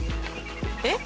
えっ？